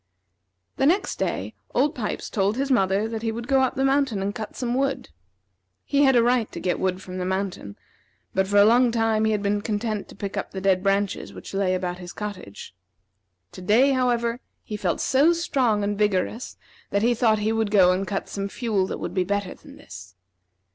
The next day, Old Pipes told his mother that he would go up the mountain and cut some wood. He had a right to get wood from the mountain, but for a long time he had been content to pick up the dead branches which lay about his cottage. To day, however, he felt so strong and vigorous that he thought he would go and cut some fuel that would be better than this.